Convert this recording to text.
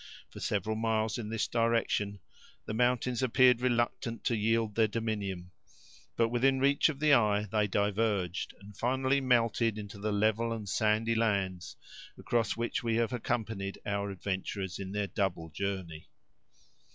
For several miles in this direction, the mountains appeared reluctant to yield their dominion, but within reach of the eye they diverged, and finally melted into the level and sandy lands, across which we have accompanied our adventurers in their double journey.